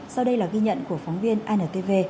sau đây là ghi nhận của phóng viên antv